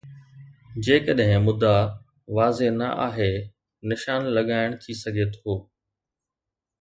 جيڪڏهن مدعا واضح نه آهي، نشان لڳائڻ ٿي سگهي ٿو.